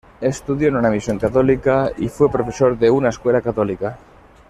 Estudió en un misión católica y fue profesor de una escuela católica.